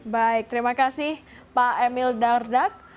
baik terima kasih pak emil dardak